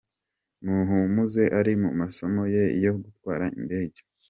Muhumuza ari mu masomo ye yo gutwara indege.